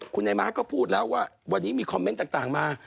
คุณนายม้าก็พูดแล้วว่าวันนี้มีคอมเมนต์ต่างมา